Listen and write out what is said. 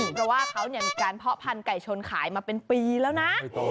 เพราะว่าเขามีการเพาะพันธุไก่ชนขายมาเป็นปีแล้วนะ